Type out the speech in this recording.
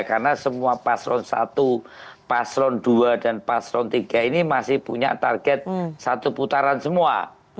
karena semua paslon satu paslon dua dan paslon tiga ini masih punya target satu putaran semua